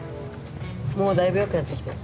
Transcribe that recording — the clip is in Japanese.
もうだいぶよくなってきたよ。